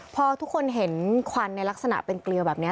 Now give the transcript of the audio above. พอทุกคนเห็นควันในลักษณะเป็นเกลียวแบบนี้